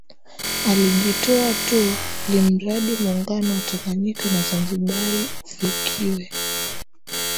Alijitoa tu ilimradi Muungano wa Tanganyika na Zanzibar ufikiwe